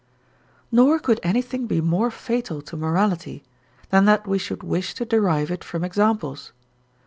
Nor could anything be more fatal to morality than that we should wish to derive it from examples.